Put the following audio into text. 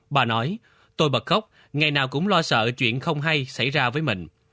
bà nói tôi bật khóc ngày nào cũng lo sợ chuyện không hay xảy ra với mình